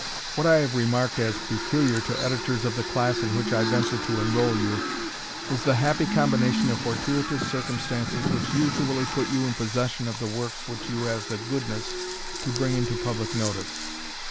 What I have remarked as peculiar to Editors of the class in which I venture to enrol you, is the happy combination of fortuitous circumstances which usually put you in possession of the works which you have the goodness to bring into public notice.